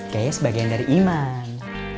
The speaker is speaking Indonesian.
gaya sebagian dari iman